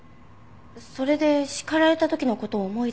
それで叱られた時の事を思い出して。